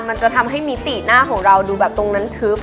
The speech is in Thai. มันจะทำให้มิติหน้าของเราดูแบบตรงนั้นทึบ